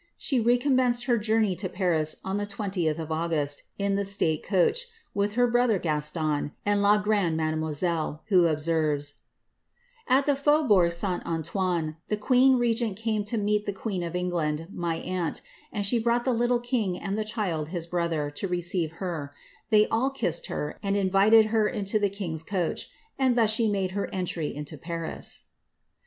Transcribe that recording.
She re commenced her journey to Paris on the 20th of August, in the state coach, with her brother Gaston, and la grande wudtmoUelUj who observes, ^ that at the Fauxbourg St. Antoine, the queen regent came to meet the queen of England, my aunt, and she brought the little king and the child, his brother, to receive her ; they all kissed her, and invited her into the king's coach, and thus she made her entry into Paris.''